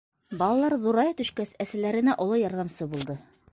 Балалар, ҙурая төшкәс, әсәләренә оло ярҙамсы булды.